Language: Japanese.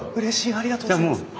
ありがとうございます！